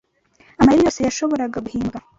Amayeri yose yashoboraga guhimbwa